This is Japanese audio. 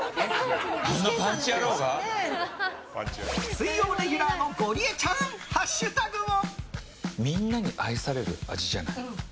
水曜レギュラーのゴリエちゃんハッシュタグを！